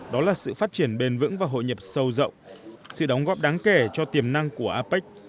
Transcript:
đó là sự phát triển bền vững và hội nhập sâu rộng sự đóng góp đáng kể cho tiềm năng của apec